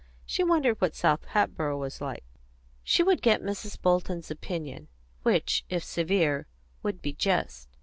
She wondered what South Hatboro' was like; she would get Mrs. Bolton's opinion, which, if severe, would be just.